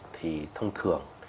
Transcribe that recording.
thì thông thường